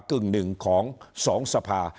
กึ่งหนึ่งของ๒สภา